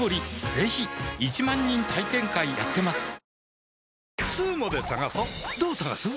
ぜひ１万人体験会やってますはぁ。